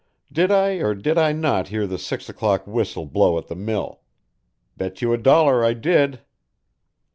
Did I or did I not hear the six o'clock whistle blow at the mill? Bet you a dollar I did."